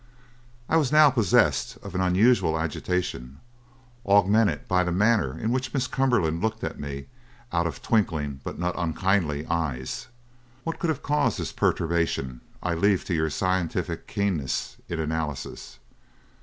"I was now possessed of an unusual agitation, augmented by the manner in which Miss Cumberland looked at me out of twinkling but not unkindly eyes. What could have caused this perturbation I leave to your scientific keenness in analysis.